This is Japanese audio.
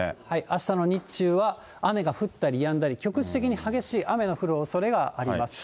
あしたの日中は雨が降ったりやんだり、局地的に激しい雨の降るおそれがあります。